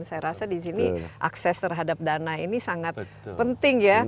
saya rasa di sini akses terhadap dana ini sangat penting ya